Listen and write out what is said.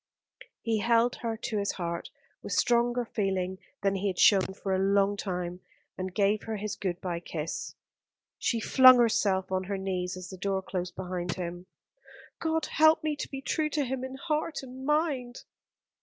He held her to his heart, with stronger feeling than he had shown for a long time, and gave her his good bye kiss. She flung herself on her knees as the door closed behind him. "God help me to be true to him in heart and mind."